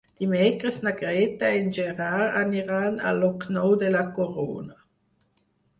Dimecres na Greta i en Gerard aniran a Llocnou de la Corona.